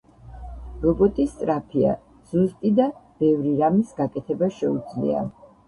რობოტი სწრაფია, ზუსტი და ბევრი რამის გაკეთება შეუძლია.